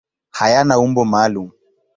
Hayana umbo maalum.